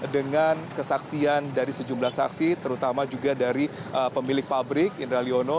dengan kesaksian dari sejumlah saksi terutama juga dari pemilik pabrik indra liono